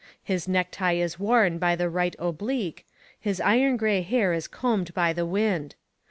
His necktie is worn by the right oblique, his iron gray hair is combed by the wind.